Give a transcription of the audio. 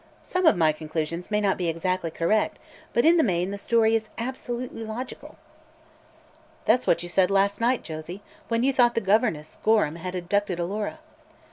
Some of my conclusions may not be exactly correct, but in the main the story is absolutely logical." "That's what you said last night, Josie, when you thought the governess, Gorham, had abducted Alora."